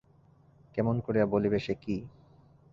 কেমন করিয়া বলিবে সে কী।